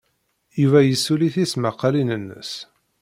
Yuba yessuli tismaqqalin-nnes.